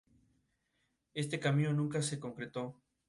Este camino nunca se concretó.